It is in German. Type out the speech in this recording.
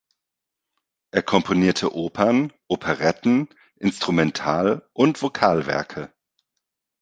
Er komponierte Opern, Operetten, Instrumental- und Vokalwerke.